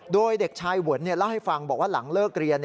โดยเด็กชายเวิร์นเล่าให้ฟังบอกว่าหลังเลิกเรียน